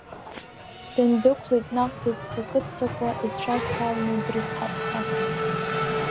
Дындәықәлеит наҟ, дыццакы-ццакуа, ицәа дҭаланы, дрыцҳахәха.